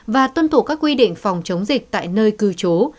và tuân thủ các quy định phòng chống dịch tại nơi cư trú